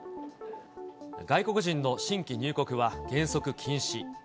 外国人の新規入国は原則禁止。